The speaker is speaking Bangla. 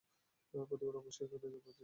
প্রতিবার অবশ্য একই রেজাল্ট পাচ্ছি!